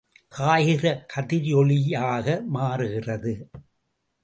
காய்கிற கதிரொளியாக மாறுகிறது.